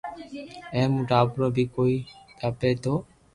اي مون ٽاڀرو بي ڪوئي داپئي تو